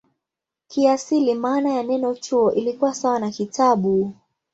Kiasili maana ya neno "chuo" ilikuwa sawa na "kitabu".